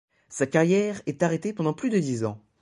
Sa carrière est arrêtée pendant plus de dix ans.